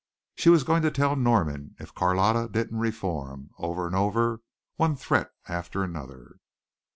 She was going to tell Norman if Carlotta didn't reform over and over, one threat after another.